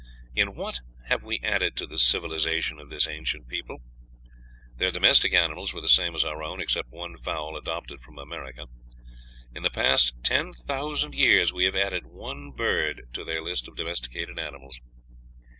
In what have we added to the civilization of this ancient people? Their domestic animals were the same as our own, except one fowl adopted from America. In the past ten thousand years we have added one bird to their list of domesticated animals!